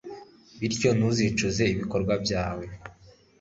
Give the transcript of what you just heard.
bityo ntuzicuza ibikorwa byawe